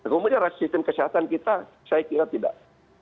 kemudian sistem kesehatan kita saya kira tidak